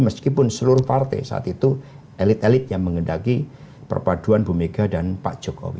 meskipun seluruh partai saat itu elit elit yang mengendaki perpaduan bu mega dan pak jokowi